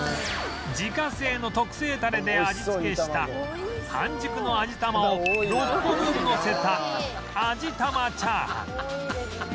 自家製の特製ダレで味付けした半熟の味玉を６個分のせた味玉炒飯